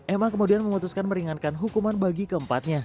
emma kemudian memutuskan meringankan hukuman bagi keempatnya